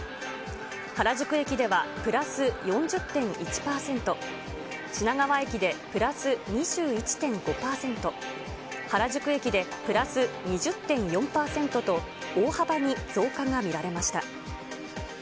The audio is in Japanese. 原宿駅ではプラス４０．１％、品川駅でプラス２１．５％、原宿駅でプラス２０．４％と、大幅に増加が見られました。